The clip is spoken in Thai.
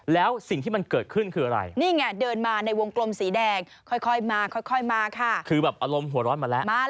แล้วทันใดนั้นเองนี่เลยคุณผู้ชม